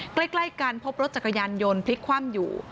ใกล้กันพบรถจักรยานยนต์พลิกคว่ำอยู่